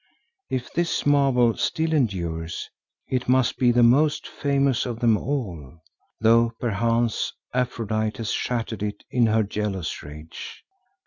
If this marble still endures, it must be the most famous of them all, though perchance Aphrodite has shattered it in her jealous rage.